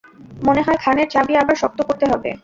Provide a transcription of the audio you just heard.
মনেহয় খানের চাবি আবার শক্ত করতে হবে।